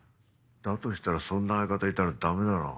だとしたらそんな相方いたらダメだろう。